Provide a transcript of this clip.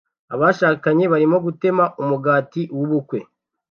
Abashakanye barimo gutema umugati w'ubukwe